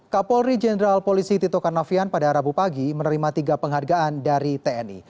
kapolri jenderal polisi tito karnavian pada rabu pagi menerima tiga penghargaan dari tni